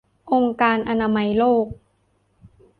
องค์การอนามัยโลก